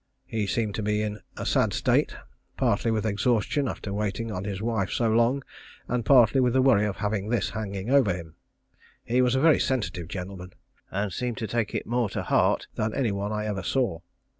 He seemed to be in a sad state, partly with exhaustion after waiting on his wife so long, and partly with the worry of having this hanging over him He was a very sensitive gentleman, and seemed to take it more to heart than any one I ever saw.